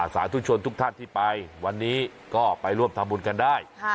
สาธุชนทุกท่านที่ไปวันนี้ก็ไปร่วมทำบุญกันได้